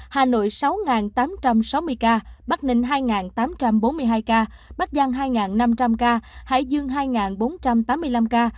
hà nội sáu tám trăm sáu mươi ca bắc ninh hai tám trăm bốn mươi hai ca bắc giang hai năm trăm linh ca hải dương hai bốn trăm tám mươi năm ca